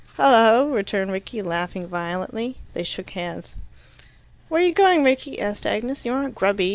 "Hullo!" returned Rickie, laughing violently. They shook hands. "Where are you going, Rickie?" asked Agnes. "You aren't grubby.